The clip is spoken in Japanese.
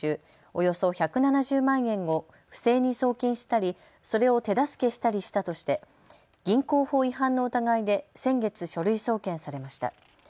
およそ１７０万円を不正に送金したり、それを手助けしたりしたとして銀行法違反の疑いで先月書類送検されました。